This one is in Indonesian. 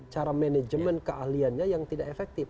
cara manajemen keahliannya yang tidak efektif